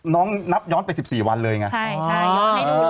น้องนับย้อนไป๑๔วันเลยไง